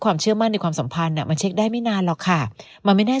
ความเชื่อมั่นในความสัมพันธ์มันเช็คได้ไม่นานหรอกค่ะมันไม่แน่